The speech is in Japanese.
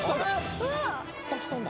スタッフさんだ。